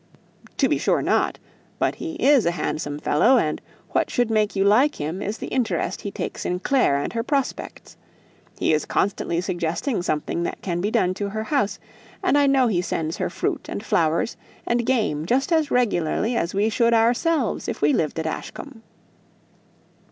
"To be sure not. But he is a handsome fellow; and what should make you like him is the interest he takes in Clare and her prospects. He is constantly suggesting something that can be done to her house, and I know he sends her fruit, and flowers, and game just as regularly as we should ourselves if we lived at Ashcombe."